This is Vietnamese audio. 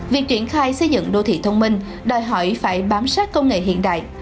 việc triển khai xây dựng đô thị thông minh đòi hỏi phải bám sát công nghệ hiện đại